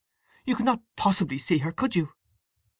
You could not possibly see her, could you?"